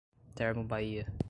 Termobahia